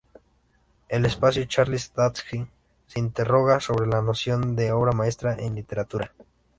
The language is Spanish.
El espacio Charles Dantzig se interroga sobre la noción de obra maestra en literatura.